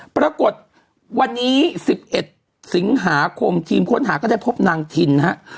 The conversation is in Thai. ปรากฏวันนี้๑๑สิงหาคมทีมค้นหาก็ได้พบนางทินฮะ